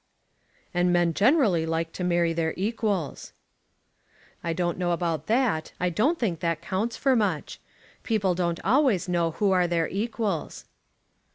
"And men generally like to marry their equals." "I don't know about that. I don't think that counts for much. People don't always know who are their equals."